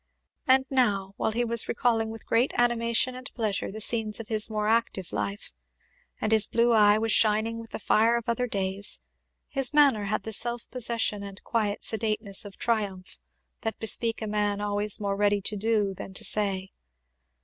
And now, while he was recalling with great animation and pleasure the scenes of his more active life, and his blue eye was shining with the fire of other days, his manner had the self possession and quiet sedateness of triumph that bespeak a man always more ready to do than to say.